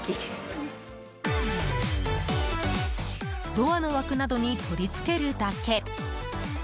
ドアの枠などに取り付けるだけ。